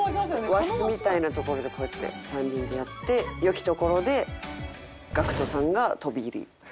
和室みたいな所でこうやって３人でやって良きところでＧＡＣＫＴさんが飛び入り。